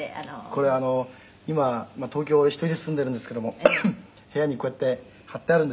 「これ今東京俺１人で住んでいるんですけども部屋にこうやって貼ってあるんですよ」